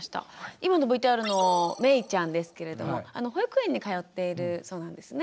今のＶＴＲのめいちゃんですけれども保育園に通っているそうなんですね。